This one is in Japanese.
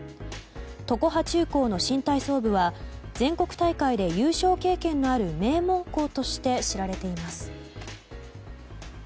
常葉中高の新体操部は全国大会で優勝経験のある名門校として知られています。